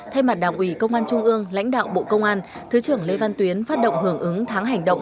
thay mặt đảng ủy công an trung ương lãnh đạo bộ công an thứ trưởng lê văn tuyến phát động hưởng ứng tháng hành động